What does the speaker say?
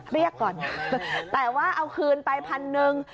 เรียกก่อนแต่ว่าเอาคืนไปพันหนึ่ง